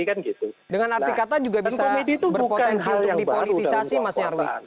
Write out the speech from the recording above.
dengan arti kata juga bisa berpotensi untuk dipolitisasi mas nyarwi